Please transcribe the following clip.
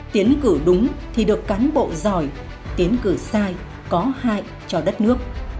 tiến cử đúng thì được cán bộ giỏi tiến cử sai có hại cho đất nước